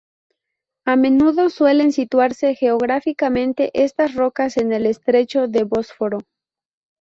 A menudo suelen situarse geográficamente estas rocas en el estrecho del Bósforo.